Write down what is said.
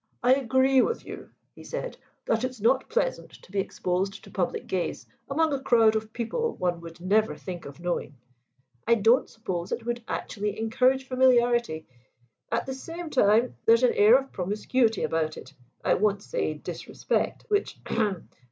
"I agree with you," he said, "that it's not pleasant to be exposed to public gaze among a crowd of people one would never think of knowing. I don't suppose it would actually encourage familiarity; at the same time there's an air of promiscuity about it I won't say disrespect which, ahem!